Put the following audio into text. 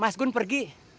mas gun pergi